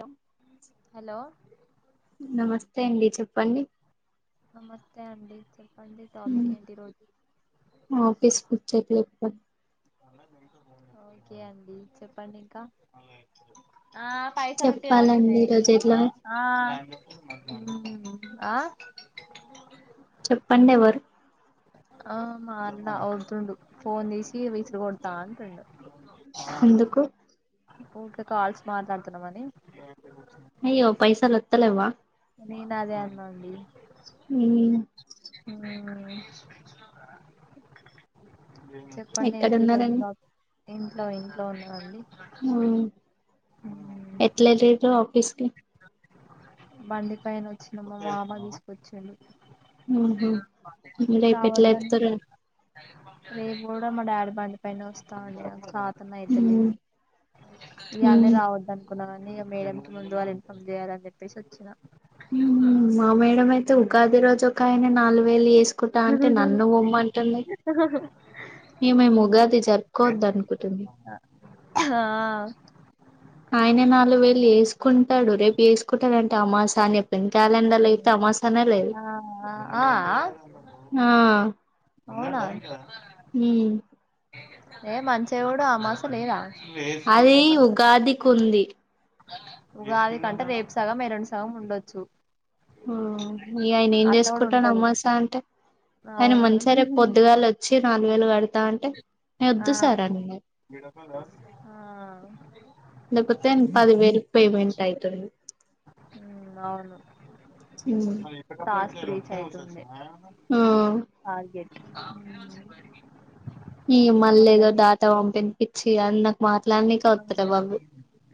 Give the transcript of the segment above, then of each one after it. Hello hello నమస్తే అండి చెప్పండి నమస్తే అండి చే మ్ ఒకే స్ ఉచెట్ చెప్తా ఓకే అండి చెప్పండి ఇంకా ఆ పైసల్ కు ఏం చెప్పాలండి వత్తునయే ఈ రోజు ఇప్పుడు ఎట్లా ఆ ఆ చెప్పండి ఎవరు? ఆ మా అన్న ఒరుతుండు ఫోన్ తీసి విసురా కొడతా అంటుండు. ఎందుకు? ఊకే కాల్స్ మాట్లాడుతున్నావు అని అయ్యో పైసల్ ఒత్తలేవ్వా నేను అదే అన్న అండి. ఉమ్ చెప్పండి ఏంటిది ఈ రోజు ఎక్కడున్నారండి టాపిక్ ఇంట్లో ఇంట్లో ఉన్నావండి. మ్ ఎట్ల ఎల్లిర్రు ఆఫీసు కి బండి పైన వచ్చిన మా మామ తీసుకొచ్చిండు. ఉహుం రేపు ఎట్లా రావద్దనుకున్న ఎక్తరో ఏమో రేపు కూడా మా డాడీ బండి పైనే వస్తా అండి ఆ కార్ తన్నా అయితే లేదు ఈయాలనే రావద్దు అనుకున్నా గాని ఇక మేడం కి ముందు వాళ్ళ ఆప్జెయాలి అని చెప్పేసి వచ్చిన ఉమ్ మా మేడం అయితే ఉగాది రోజు ఒకయనా నాల్గు వేలు ఏస్ కుటా అంటే నన్ను ఒమ్మంటుంది. ఇగ మేమ్ ఉగాది జరుపుకోవద్ద అనుకుంటుంది. క్హ్ ఆ ఆయన నాలుగు వేళ్ళు ఏసుకుంటాడు. రేపు ఏసుకుంటాడుంటే తమాశాని ఎప్పింది కాలెండర్ల యుత్తే అమాశానే లేదు. ఆ ఆ ఆ హా అవునా? హ్మ్ ఏ మంచిగాయుడు అమాస లేదా? అది ఉగాదికి ఉంది. ఉగాది కంటే రేపు సగం ఎల్లుండి సగం ఉండొచ్చు. ఆ ఇగ ఆయన ఏం అట్లా కూడా చేసుకుంటాడు. ఉంటది అమసా అంటే ఆయన అవును మంచి సరే పొద్దుగాల వచ్చి నాలుగు వేలు కడతా అంటే నేను ఆ వద్దు సార్ అన్న ఆ లేపోతే పదివేలు పేమెంట్ అయితుంది. అవును ఉమ్. టాస్క్రీచ్ అయితుండే. ఆ టార్గెట్ ఎగ ఆమె మల్ల ఏదో అట్లనే డాటా చేస్తుంది పంపింది పిచ్చిది అన్న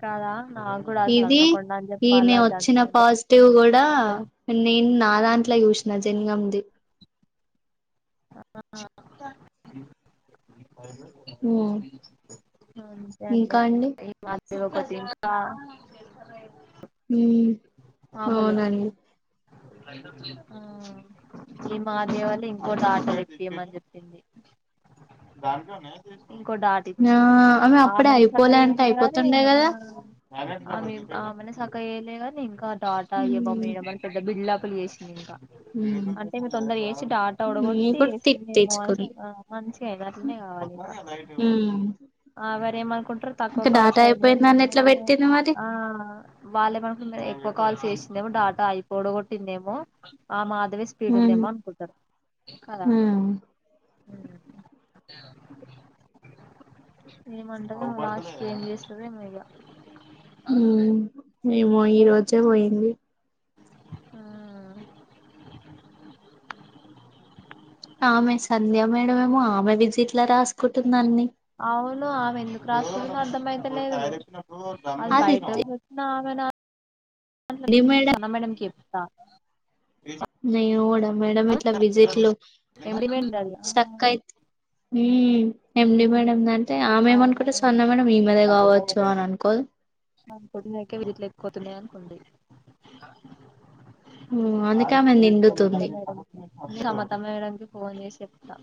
కాదా నా కూడా అసల్ ఇది చదువుకుండా అని ఈయన చెప్పలా వచ్చిన చదువులు పాజిటివ్ కూడా నేన్ నా దాంట్లో యుషిన జన్గమ్ది ఆ ఆ [unintelligible] ఉమ్ అంతే అండి అంతే [unintelligible] దేవుకోసించుత ఆ హ్మ్ అవునండి ఈ మా ద్య వాళ్ళ ఇంకో చాజ్ [unintelligible] చేపియమని జేప్పింది ఇంకో ఆ డదిచింది ఆమె అప్పుడే ఆమెనే అయిపోలే సక్కగా అంటే చేయాలే గాని అయిపోతుండే కదా అ అ అ ఆమీర్ ఆమెనే సక్కగ్ చేయిలే గాని ఇంకా టాటా ఇయ్ బొమ్మే ఉమ్ మల్ ఇగ్ పెద్ద బిల్ డప్ లు జేసింది ఇంకా ఉమ్ అంటే మీర్ తొందర్ జేసి డాటా ఉడగొట్టి ఇప్పుడు తిట్ మాఇంస్ [unintelligible] తెచ్చుకుంది ఆ ఆ మంచి హే గట్లనే కావాలి ఉమ్ ఆ మర్ ఎమ్ మనుకుంట్ తక్కు ఇంకా కాల్స్ డాటా అయినయి అయిపోయిందని ఎట్లా పెట్టింది మరి ఆ వాళ్ళే బంపూన్ ఐ [unintelligible] ఓ కాల్ చేశిందేమో డాటా అయిపోడు కొట్టిందేమో ఆ మాద్ దవి స్పీడ్ ఉమ్ ఉందేమో అనుకుంటారు కదా ఉమ్ ఏమంటదో లాస్ట్ క్ ఏం జేస్తదో ఏమో ఇగ హ్మ్మ్ ఏమో ఈ రోజే పోయింది ఆ ఆమె సంధ్య మేడమేమో ఆమె విజిట్లా రాసుకుటు అవును ఆమె ఎందుకు రాసుకు అర్ధంమయితలేదు అది బయట కు ఆమె నా అంట్లనూన్ మేడం [unintelligible] నా సన మేడంకీ చెప్ త మేమ్ కూడా మేడం ఇట్లా విజిట్ లో ఎండి హ్మ్ మేడం అది స్టకయి ఈ యండి మేడంగ్ అంటే ఆమెమ్ మనుకుంటది అవునవును సన్నా మేడం ఈ మాదే కావచ్చు అన్ అనుకోదు ఒళ్ళు ఎక్కే వీల్ ఇట్ల ఎక్ కోతూనే [unintelligible] అనుకుంది అందుకే ఆమె నిండుతుంది సమత మేడం కీ ఫోన్ జేస్ చెప్ త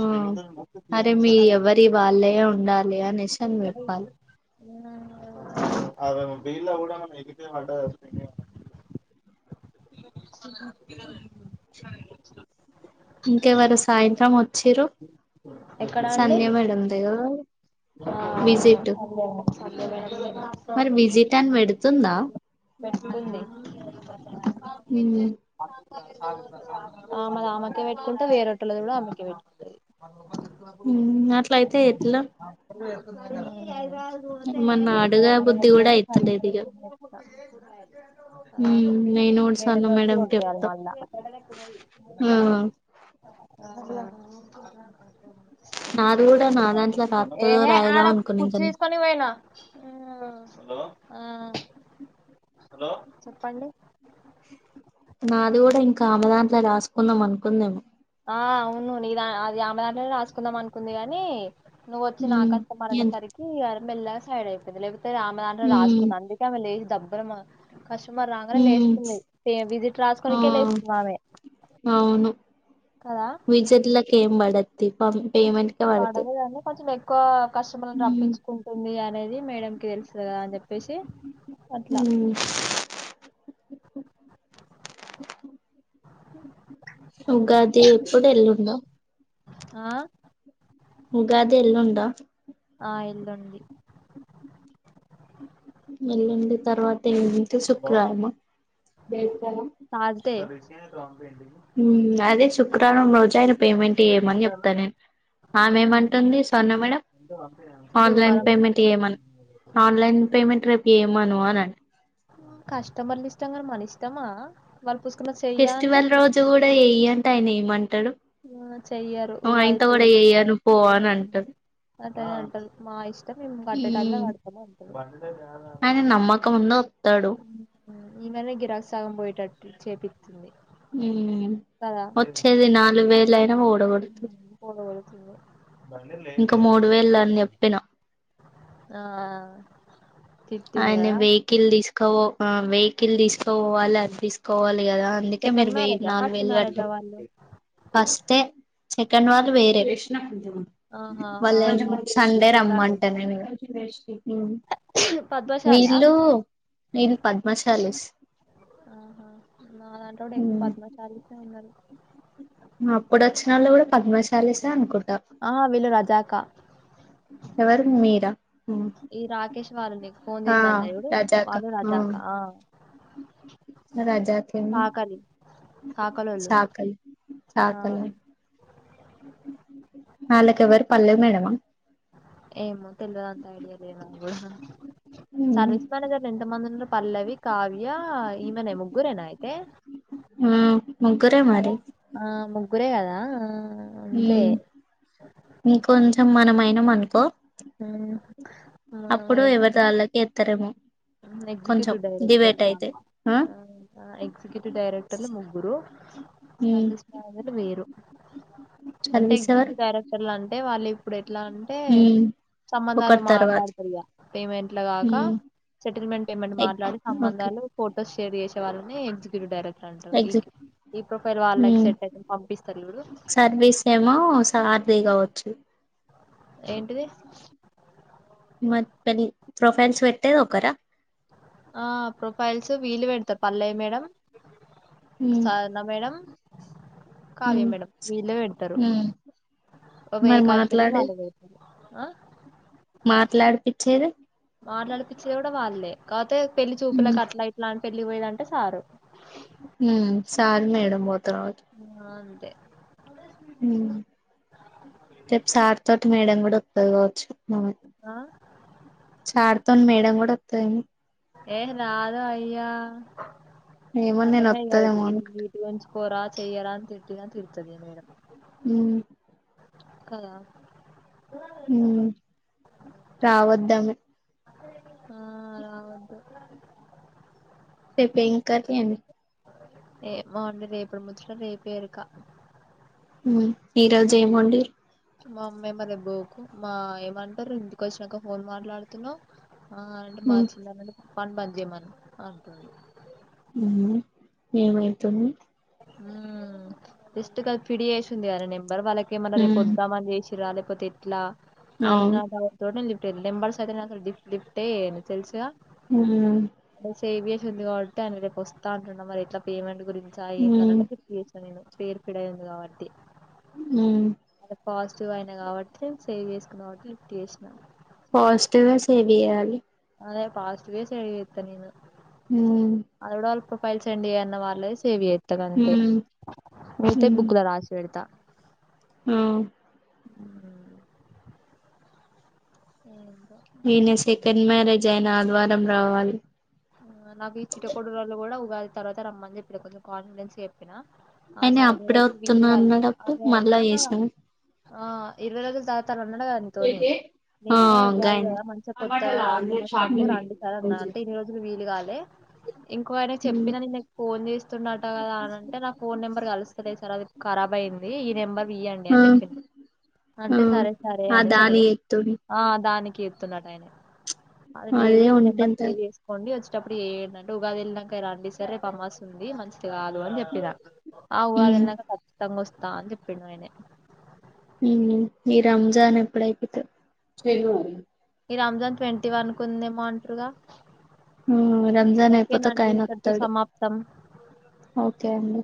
ఉమ్ అరే మీ ఎవరి వాళ్ళయే ఉండాలి అనేస్ అన్నరు వాల్ ఇంగ [unintelligible] ఇంకెవరు సాయంత్రం వచ్చిరు సంధ్య మేడం దేగ అ అ [unintelligible] సంధ్య మేడమ్ దే మరి విజిట్ అని బేడుతుందా పెట్టు డుంది హ్మ్మ్ ఆమాద్ ఆమకే పెట్టుకుంట వేరేటోలది గూడా ఆమెకే పెట్టుకుంటది హ్మ్ అట్ల అయితే ఎట్లా ఉమ్ తే ఏమన్నా [inaudible] అడుగా పోతే బుద్ధి కూడా పై [unintelligible] ఉహుమ్ నే నోడ్స్ అన్ మేడం కే కెప్ కొట్టేయాలి త మళ్ళా ఊహ్మ్ అల [unintelligible] నాద్ కూడా నా దాంట్లో రా త్ ఎహె ఆడ కుర్చ్ తీస్ కోని పోయినా ఆ హలో ఆ హలో చెప్పండి నాది కూడా ఇంకా ఆమె దాంట్లో రాసుకుందాం అనుకుందేమో ఆ అవును నిదా ఆ అది ఆమదాంట్లోనే రాసుకుందాం అనుకుంది గాని నువ్వు వచ్చి నా ఉమ్ కష్టపడండి ఎం సరికి మెల్లగా సైడ్ అయిపెంది లేవ్ అమె దాంట్లో ఉమ్ రాసుకుంది అందుకే ఆమె లేచి దబ్బున మా కస్టమర్ రాంగనే ఉమ్ లేస్తుంది తెమ్ విజిట్ ఆ రాసుకోనికే లేస్ ఆమె కదా విజిట్ల కేం పడద్ తి పమ్ పేమెంట్ క్ పడతయి కువ కస్టమర్ లన్ ఉమ్ రప్పించుకుంటుంది అనేది మేడం కి తెలుస్ కదా అని జెప్ పెషి అట్లా ఉమ్ [inaudible] ఉగాది ఇప్ డే [unintelligible] ఎల్లుండ ఆ ఉగాది ఎల్లుండ ఆ ఎల్లుండి ఎల్లుండి తర్వాత నుంటి శుక్రవారం బెచ్చారం నేనే త్రోమిబి అండి ఉమ్అదే శుక్రారం రోజా పేమెంట్ ఇయమని చెప్తా నేను ఆమె ఏమంటుంది స్వర్ణ మేడమ్ ఆన్లైన్ గురువారం పేమెంట్ వేయమను ఆన్లైన్ పేమెంట్ రేపు ఇయమను అన్ టు కష్టమర్ల ఇష్టంగాని మన ఇష్టమా వాళ్ళు పుసుకున్నది చెయ్యా అంటే ఫెస్టివల్ రోజు కూడా వెయ్య అంట ఆయన ఏమం ఆ చెయ్యరు ఉగాది కూడా చేయకూడదు చెయ్యను కాబట్టి పో అని అంటాడు అట్లనే అంటారు మా ఇష్టం మేము కట్టే టైంలో ఉమ్ కడతాము అంటారు పొత్తడు ఈ మే గిరాక్ సగం పోయేటట్టు చేపి వచ్చేది నాలుగు వేలు అయినా ఊడబడుతు ఉమ్, పోగొడుతుంది అని చెప్పిన ఆ తిట్టింది ఆయనీ కదా వేయ్ కిల్ తీసుకవో ఆ వెయ్య్కిల్ తీసుకపోవాలి అది తీసుకోవాలి లీ కదా అందుకే సెకండ్ మీరు వెయ్యి మ్యారేజా నాలుగు ఫస్ట్ వేలు కట్ట మ్యారేజా వాళ్ళు వస్తే సె కండ్ వారు వేర ఆహా వాళ్ళన్ ఆహా సండే విశ్వబ్రాహ్మణ్సా రమ్మంటానేనుఇంగ పద్మశాలా వీళ్ళు వీళ్ళు పద్మశాలీస్ ఆహా నా దాంటో కూడా ఎక్కువ పద్మశాలీస్ ఏ ఉన్నారు అప్పుడు వచ్చిన వాళ్ళు కూడా పద్మశాలీసే అనుకుం ఆ వీళ్ళు రజాకా ఎవరు మీరా ఈ రాకేష్ వాళ్ళు నీకు ఫోన్ ఆ చేసిమన్నారు రజాక వాళ్ళ రజాక్ ఆ రజాకనే సాకలి సాకలోళ్ళు చకలి ఆ చాకలు వాళ్ళకెవరు పల్లె మేడంమా ఏమో తెల్వదు అంతా ఐడియా లేదది సర్వీస్ మేనేజర్ లు ఎంత మంది ఉన్నారు పల్లవి కావ్య ఈమెన ముగ్గురేనా అయితే ఉమ్ ముగ్గురే మరి గ్గురే కదా అంతే ఉమ్ ఇంకొంచెం మనమయినాం అనుకో ఉమ్ అప్పుడు ఎవరిది వాళ్ళకే ఎత్తారేమో ఉమ్ కొంచెం ఎక్సిిక్యూటివ్ డైరెక్టర్ లు డిబేట్ అయితే వాళ్ళు ఆ ఎక్సిక్యూటివ్ డైరెక్టర్లు ముగ్గ్ గురు సర్వీస్ మేనేజర్లు వేరు అంటే చదివిసేవారు ఎగ్జిక్యూటివ్ డైరెక్టర్ లన్ అంటే వాళ్ళు ఇప్పుడు ఎట్లా అంటే ఉమ్ సంబంధాలు ఒకరి తర్వాత మాట్లాడతారి గా పేమెంట్ లు గాక ఉమ్ సెటిల్మెంట్ పేమెంట్ ఎగ్ మాట్లాడి ఓకే సంబధాలు ఫోటోస్షర్ చేసే వాళ్ని ఎ్జిక్యూటివ్ డైరెక్ట్ టాంటా ఈకే ఎగ్జిట్ ఈ ప్రొఫైల్ వాళ్ళకి ఉమ్ సెట్ అయితేని పంపిస్తారు చూడు అదే కావచ్చు ఏంటిది మరి తని ప్రొఫైల్స్ వెట్టె ఒకరా ఆ ప్రొఫైల్స్ వీలు పెడతా పల్లేవి మేడం ఉమ్ సార్ణ మేడం కావ్య ఉమ్ మేడం వీళ్ళే పెడతారు ఉమ్ ఒక ఏ మరి కాశంలో వాళ్ళు పెడతారు ఆ మాట్లాడి పిచ్చేది మాట్లాడిపిచ్చేది గూడా వాళ్ళే కాపోతే పెళ్లి చూపులలకు అట్లా ఇట్లా అ పెళ్లి పోయదంటే సారు హ్ సారు మేడం బో హ్ ఆ అంతే హ్ రేపు సార్ తోటి మేడం గూడా వత్తది కావచ్చు హ్ ఆ చార్తోని మేడం గూడా వొత్తది ఏహ రాదు అయ్యా ఏమో నేను కతమే ఇగ ఇది వత్తదేమో ఇ అనుకుంట వీటు గుంచి కొరా చేయరా అని తిట్టినా తిడుతది మేడం హ్ కదా రావొద్దమే ఆ రావద్దు రేపేమ్ కర్రీ అని ఏమో అండి రేపటి ముచ్చట రేపే ఎరుక హ్ ఈ రోజు ఏం వొండిర్రు మా అమ్మేమో రేపు బోకు మా ఏమంటరు ఇంటికి వొచ్చినంక ఫోన్ మాట్లాడుతున్నవ్ ఆ అంటే మా చిన్నాన్న పని బంజేయ్ మరి అంటడు హ్ ఏమైతుంది ఆ ఎస్ట్ గా పిడి వేసింది గదా నెంబర్ వాళ్ళకేమన్నా ఉమ్ రేపొద్దామని జేసి రా లేకపోతే ఎట్లా అవును అన్న డవ్ట్ తోని టే నెంబర్స్ అయితే డిఫ్ట్ డిఫ్టే చేయను తెలుసుగా అదే హ్ సేవ్ చేసి ఉంది కాబట్టి ఆయన రేపు వస్తా అంటుండా మరి ఎట్లా పేమెంట్ గురించా ఉమ్ ఏందన్నట్టు లిఫ్ట్ చేసిన నేను పేరు ఫీడైంది కాబట్టి హ్ చు ఐనా కాబట్టి సేవ్ చేసుకున్నా కాబట్టి లిఫ్ట్ చేసినా ఫాస్టుగా సేవ్ చేయాలి అదే ఫాస్ట్ గా సేవ్ చేత్త నేను హ్ ప్రోఫైల్ సెండ్ చేయన్న వాళ్ళై సేవ్ జేత్త గంతే ఉమ్ మిగితై బుక్ ల రాసి పెడతా హ్ హ్ హ్ జైన ఆదివారం రావాలి హ్ నాకు ఈ చిట్టకూడు రోళ్ళు గూడా ఉగాది తర్వాత రమ్మని చెప్పినా కొంచెం కాన్ఫిడెన్స్ గ చెప్పిన ఆ అయిన సరే ఇన్ని అప్పుడే రోజులు వీలు వత్తున్నా కాలే అన్నడప్పుడు అదే అదే మళ్ళా ఆహా చేసినను ఆ ఇరవై రోజుల తవాతను ఉన్నడు గదా నితోని ఆ నేనే ఉగాది గాయన గదా మంచి కొత్తగా సమస్యము రాండి సార్ అన్నా అంటే ఇన్ని రోజ్ ప్పుడు వీలుగాలే ఇంకో ఆయన ఉమ్ చెప్పినా నేన్ ఫోన్ చేసి వస్తుండట గదా అని అంటే నా ఫోన్ నెంబర్ కలుస్తలే సార్ అది ఖరాబ్ అయిన్ది ఈ నెంబర్ ఇయ్యండి ఆ అని చెప్పిన ఆ అంటే సరే సరే ఆ అని దాని సినదు ఎత్తుడు ఆ దానిక్ కీతున్నాడు ఆయన అది లేదు అదే ఈ నెంబర్ ఉంటెంత సేవ్ చేస్ అండి వచ్చేప్పుడు ఏడింటడి ఉగాది ఎల్లినంక రండి సరే రేపు అమాస్ ఉంది మంచి గాదు అని చెప్పినా ఉమ్ ఆవుగాదనంక ఖచ్చితంగా వస్తా అని చెప్పిండు ఆయనే హ్ ఈ రంజాన్ ఎప్పుడైపోతో తెలువదు ఈ రంజాన్ ట్వంటీ వన్ కు ఉందేమో అంటరుగా రంజాన్ అయిపోతే ఒక ఓకేనండి ఆయన ఇంతటితో వస్తాడు సమాప్తం ఓకే అండి